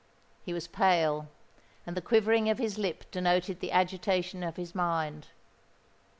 He was pale; and the quivering of his lip denoted the agitation of his mind.